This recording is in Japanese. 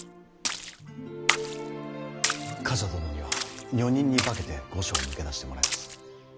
冠者殿には女人に化けて御所を抜け出してもらいます。